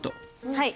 はい。